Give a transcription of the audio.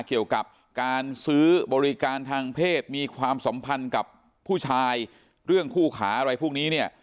เกี่ยวกับการซื้อบริการทางเพศมีความสัมพันธ์กับผู้ชายเรื่องคู่ขาอะไรพวกนี้เนี่ย